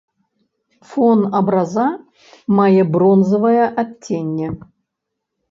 Фон абраза мае бронзавае адценне.